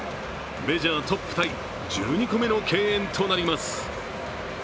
メジャートップタイ１２個目の敬遠となります。